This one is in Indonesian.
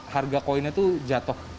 harga koinnya tuh jatuh